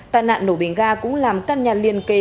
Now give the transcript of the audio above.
tài nạn nổ bình ga cũng làm căn nhà liên kề